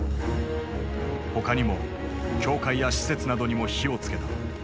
他にも教会や施設などにも火を付けた。